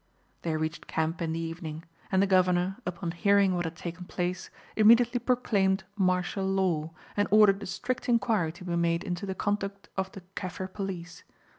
They reached camp in the evening, and the Governor, upon hearing what had taken place, immediately proclaimed martial law, and ordered a strict inquiry to be made into the conduct of the Kaffir police.